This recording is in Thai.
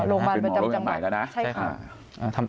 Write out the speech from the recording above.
คุณหมอโรงพยาบาลประจำจังหวัดใช่ค่ะ